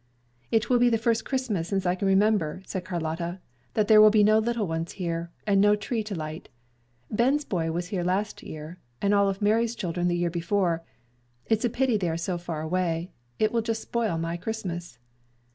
"It will be the first Christmas since I can remember," said Carlotta, "that there will be no little ones here, and no tree to light. Ben's boy was here last year, and all of Mary's children the year before. It's a pity they are so far away. It will just spoil my Christmas."